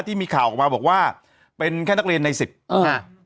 ที่มีข่าวออกมาบอกว่าเป็นแค่นักเรียนในสิบอ่า